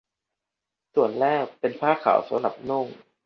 ส่วนแรกเป็นผ้าขาวสำหรับนุ่ง